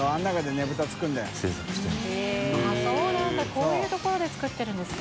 こういう所で作ってるんですか。